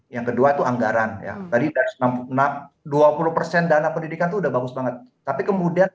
yang kedua itu anggaran ya tadi dari enam puluh enam puluh dua puluh dana pendidikan sudah bagus banget tapi kemudian